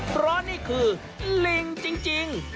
เพราะนี่คือลิงจริง